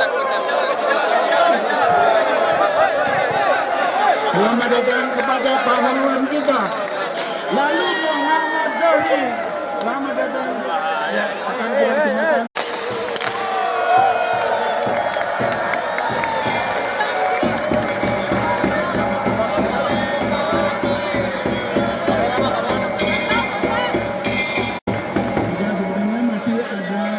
keluarga darni zani